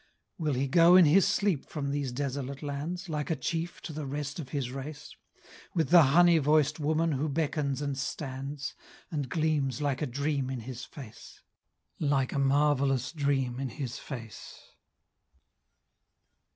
Will he go in his sleep from these desolate lands, Like a chief, to the rest of his race, With the honey voiced woman who beckons and stands, And gleams like a dream in his face Like a marvellous dream in his face?